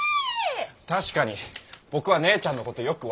確かに僕は姉ちゃんのことよく分かりませんよ。